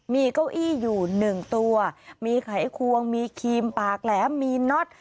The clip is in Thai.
มีเก้าอี้อยู่๑ตัวมีไขควงมีครีมปากแหลมมีน็อต